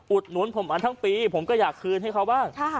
หนุนผมอันทั้งปีผมก็อยากคืนให้เขาบ้าง